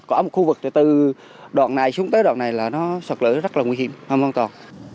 có một khu vực từ đoạn này xuống tới đoạn này là nó sọt lở rất là nguy hiểm không an toàn